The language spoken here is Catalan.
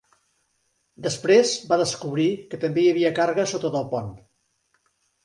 Després va descobrir que també hi havia càrregues sota del pont.